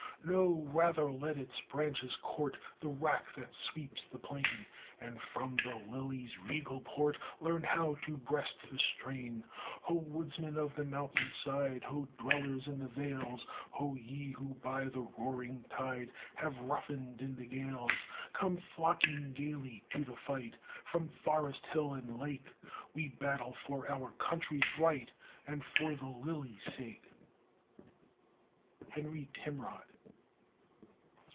No! rather let its branches court The rack that sweeps the plain; And from the lily's regal port Learn how to breast the strain. Ho, woodsmen of the mountain side! Ho, dwellers in the vales! Ho, ye who by the roaring tide Have roughened in the gales! Come, flocking gayly to the fight, From forest, hill, and lake; We battle for our country's right, And for the lily's sake! HENRY TIMROD.